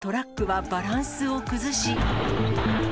すると、トラックはバランスを崩し。